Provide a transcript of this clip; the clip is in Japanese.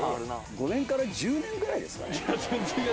５年から１０年ぐらいですかね